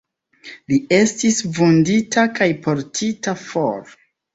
Li estis vundita kaj portita for.